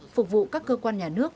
phục vụ các cơ quan nhà nước